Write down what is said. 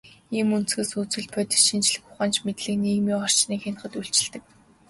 Ийм өнцгөөс үзвэл, бодит шинжлэх ухаанч мэдлэг нийгмийн орчныг хянахад үйлчилдэг.